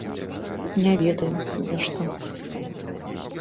Не ведаю, за што.